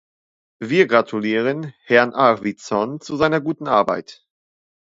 Wir gratulieren Herrn Arvidsson zu seiner guten Arbeit.